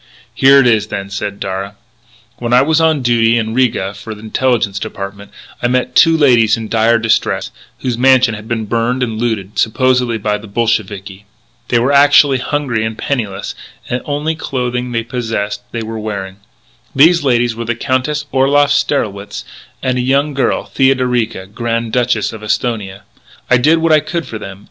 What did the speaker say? "Here it is then," said Darragh. "When I was on duty in Riga for the Intelligence Department, I met two ladies in dire distress, whose mansion had been burned and looted, supposedly by the Bolsheviki. "They were actually hungry and penniless; the only clothing they possessed they were wearing. These ladies were the Countess Orloff Strelwitz, and a young girl, Theodorica, Grand Duchess of Esthonia.... I did what I could for them.